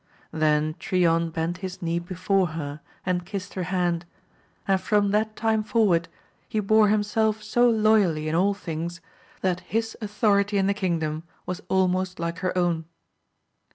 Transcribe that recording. Then Trion bent his knee before her, and kissed her hand, and from that time^forward he bore himself so loyally in all things, that his authority in the kingdom was almost like her own.